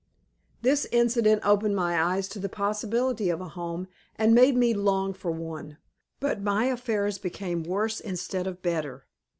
This incident opened my eyes to the possibility of a home and made me long for one, but my affairs became worse instead of better.